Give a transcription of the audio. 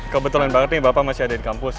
kebetulan banget nih bapak masih ada di kampus